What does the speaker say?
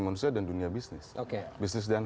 manusia dan dunia bisnis oke bisnis dan